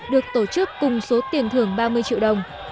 được tổ chức cùng số tiền thưởng ba mươi triệu đồng